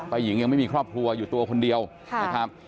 หญิงยังไม่มีครอบครัวอยู่ตัวคนเดียวนะครับ